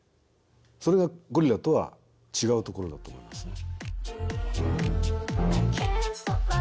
それがゴリラとは違うところだと思いますね。